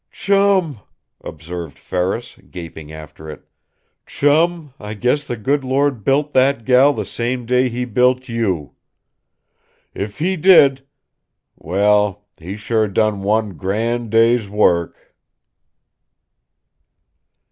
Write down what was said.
"Chum," observed Ferris, gaping after it. "Chum, I guess the good Lord built that gal the same day He built YOU. If He did well, He sure done one grand day's work!"